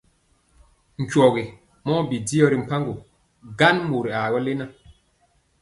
Nkyɔgi mɔ bi dyɔ ri mpaŋgo, gan mori aa gɔ lena.